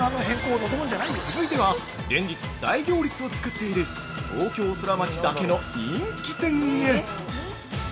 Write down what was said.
◆続いては連日大行列を作っている東京ソラマチだけの人気店へ。